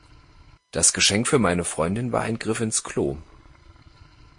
Das Geschenk für meine Freundin war ein Griff ins Klo.